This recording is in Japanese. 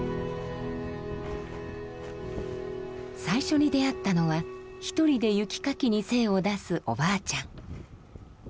最初に出会ったのは１人で雪かきに精を出すおばあちゃん。